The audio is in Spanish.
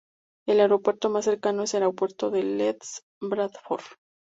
El aeropuerto más cercano es aeropuerto de Leeds Bradford.